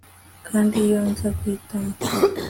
kandi iyo nza guhitamo